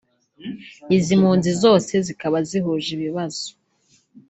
Izi mpunzi zose zikaba zihuje ibibazo